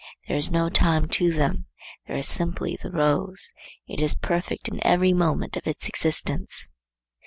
There is no time to them. There is simply the rose; it is perfect in every moment of its existence.